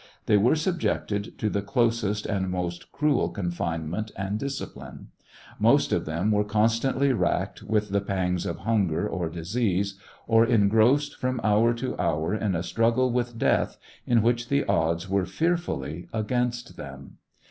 They were subjected to the closest and most cruel confinement and discipline. Most of them Vt^ere constantly racked with the pangs of hunger or disease, or engrossed from hqur to hour in a struggle with death in which the odds were fearfully against them.